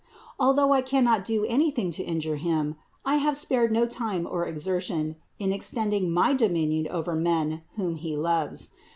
Although I cannot do anything to injure Him, I have spared no time or exertion in extending my dominion over men whom He loves.